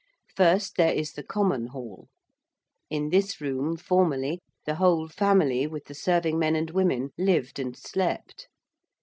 First there is the Common Hall. In this room, formerly, the whole family, with the serving men and women, lived and slept.